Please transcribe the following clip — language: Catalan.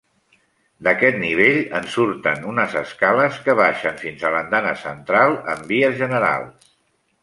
D'aquest nivell en surten unes escales que baixen fins a l'andana central amb vies generals.